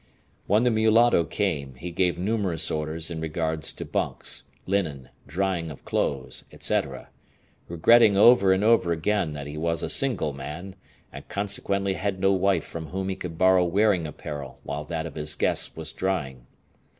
When the mulatto came, he gave numerous orders in regard to bunks, linen, drying of clothes, etc., regretting over and over again that he was a single man, and consequently had no wife from whom he could borrow wearing apparel while that of his guests was drying.